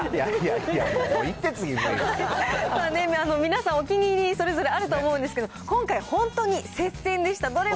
いやいやいや、もう、皆さん、お気に入り、それぞれあると思うんですけど、今回、本当に接戦でした。